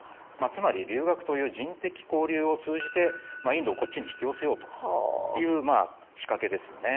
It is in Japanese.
つまり留学という人的交流を通じてインドをこっちに引き寄せようという仕掛けですよね。